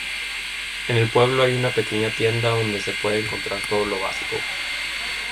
En el pueblo hay una pequeña tienda donde se puede encontrar todo lo básico.